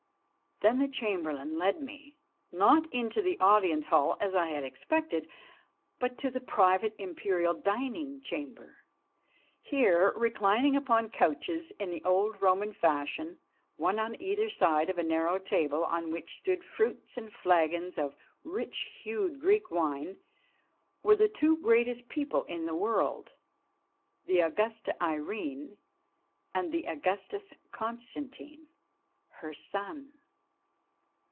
Then the chamberlain led me, not into the audience hall, as I had expected, but to the private imperial dining chamber. Here, reclining upon couches in the old Roman fashion, one on either side of a narrow table on which stood fruits and flagons of rich hued Greek wine, were the two greatest people in the world, the Augusta Irene and the Augustus Constantine, her son.